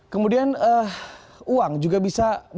kemudian uang juga bisa membeli kebahagiaan